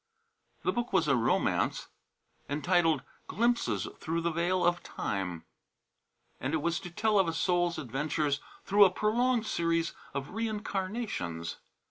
The book was a romance entitled, "Glimpses Through the Veil of Time," and it was to tell of a soul's adventures through a prolonged series of reincarnations.